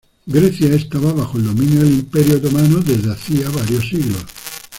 Grecia estaba bajo el dominio del Imperio otomano desde hace varios siglos.